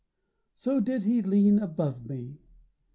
So did he lean above me.